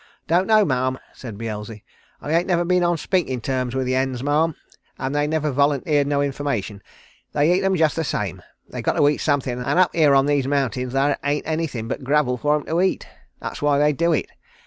"I don't know, Ma'am," said Beelzy. "I ain't never been on speakin' terms with the hens, Ma'am, and they never volunteered no information. They eat 'em just the same. They've got to eat something and up here on these mountains there ain't anything but gravel for 'em to eat. That's why they do it.